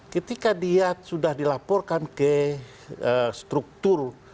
ketika dia sudah dilaporkan ke struktur